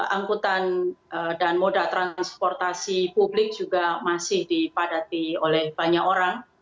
angkutan dan moda transportasi publik juga masih dipadati oleh banyak orang